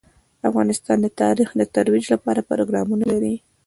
افغانستان د تاریخ د ترویج لپاره پروګرامونه لري.